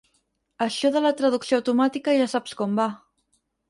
Això de la traducció automàtica ja saps com va...